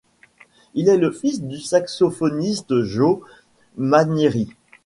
Il est le fils du saxophoniste Joe Maneri.